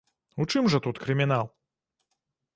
У чым жа тут крымінал?